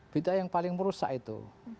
beda yang paling merusak itu